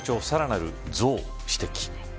さらなる増を指摘。